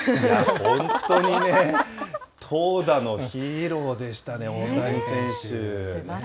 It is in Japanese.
本当にね、投打のヒーローでしたね、大谷選手。